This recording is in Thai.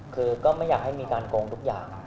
คือก็ไม่อยากให้มีการโกงทุกอย่าง